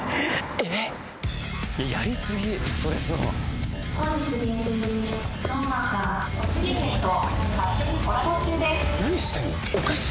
えっ何してんの？